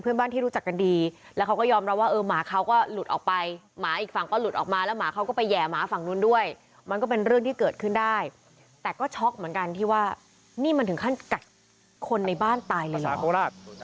เพื่อนบ้านที่รู้จักกันดีแล้วเขาก็ยอมรับว่าเออหมาเขาก็หลุดออกไปหมาอีกฝั่งก็หลุดออกมาแล้วหมาเขาก็ไปแห่หมาฝั่งนู้นด้วยมันก็เป็นเรื่องที่เกิดขึ้นได้แต่ก็ช็อกเหมือนกันที่ว่านี่มันถึงขั้นกัดคนในบ้านตายเลยนะ